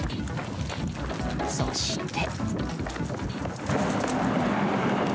そして。